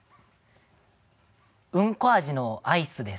うんこ味のアイスです。